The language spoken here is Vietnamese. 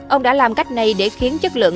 ông đã làm cách này để khiến chất lượng